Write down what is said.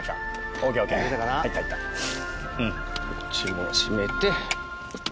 こっちも締めて。